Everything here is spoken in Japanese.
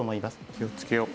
気をつけよう。